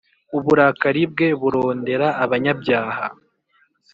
uburakari bwe burondera abanyabyaha